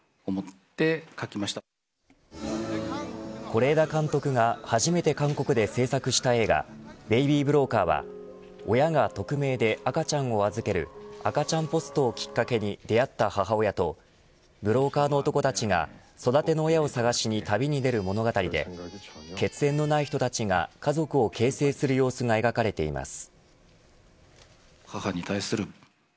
是枝監督が初めて韓国で制作した映画ベイビー・ブローカーは親が匿名で赤ちゃんを預ける赤ちゃんポストをきっかけに出会った母親とブローカーの男たちが育ての親を探しに旅に出る物語で血縁のない人たちが家族を形成する様子が描かれています。